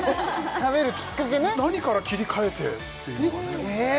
食べるきっかけね何から切り替えてっていうのがね